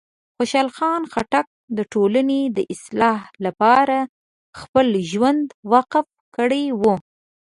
خوشحال خان خټک د ټولنې د اصلاح لپاره خپل ژوند وقف کړی و.